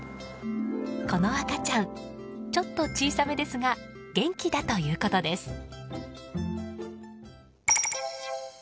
この赤ちゃんちょっと小さめですが元気だということです。